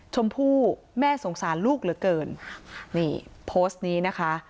ชมพู่แม่สงสารลูกเหลือเกินนี่โพสต์นี้นะคะ